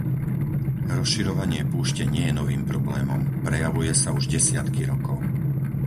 Rozširovanie púšte nie je novým problémom. Prejavuje sa už desiatky rokov.